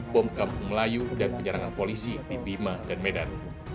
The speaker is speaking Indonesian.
bom kampung melayu dan penyerangan polisi di bima dan medan